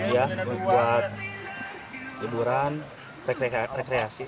ya buat liburan rekreasi